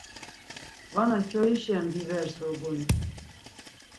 Vana kyoişen biver surguni